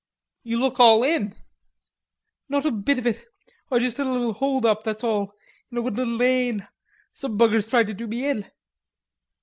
"You look all in." "Not a bit of it. Oi just had a little hold up, that's all, in a woodland lane. Some buggers tried to do me in."